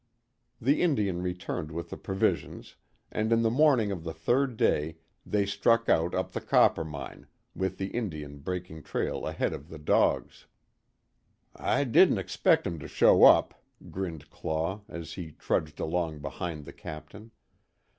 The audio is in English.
The Indian returned with the provisions, and in the morning of the third day they struck out up the Coppermine, with the Indian breaking trail ahead of the dogs. "I didn't expect 'em to show up," grinned Claw, as he trudged along behind the Captain.